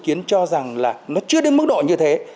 ý kiến cho rằng là nó chưa đến mức độ như thế